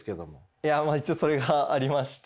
いやまあ一応それがありまして。